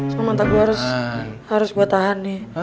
soal mantak gue harus harus gue tahan ya